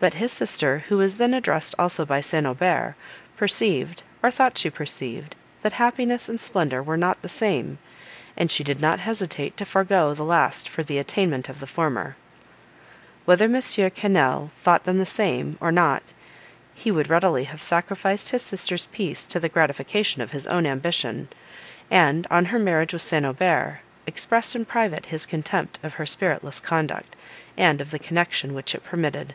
But his sister, who was then addressed also by St. Aubert, perceived, or thought she perceived, that happiness and splendour were not the same, and she did not hesitate to forego the last for the attainment of the former. Whether Monsieur Quesnel thought them the same, or not, he would readily have sacrificed his sister's peace to the gratification of his own ambition; and, on her marriage with St. Aubert, expressed in private his contempt of her spiritless conduct, and of the connection which it permitted.